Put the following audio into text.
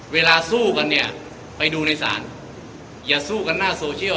เวลาสู้กันเนี่ยไปดูในศาลอย่าสู้กันหน้าโซเชียล